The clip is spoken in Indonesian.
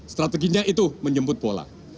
strateginya itu menjemput bola